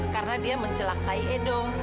karena dia mencelakai edo